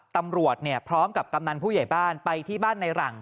ตำรวจพร้อมกับกำนันผู้ใหญ่บ้านไปที่บ้านในหลัง